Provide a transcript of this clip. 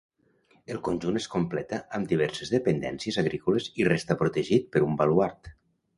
El conjunt es completa amb diverses dependències agrícoles i resta protegit per un baluard.